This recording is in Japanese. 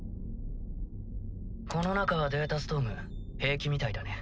この中はデータストーム平気みたいだね。